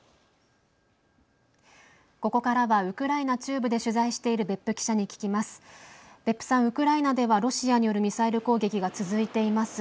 ここからはウクライナ中部で取材している別府記者に聞きます。